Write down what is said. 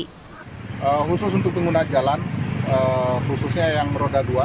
khusus untuk pengguna jalan khususnya yang roda dua